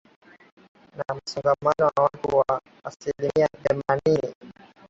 na msongamano wa watu wa asilimia themanini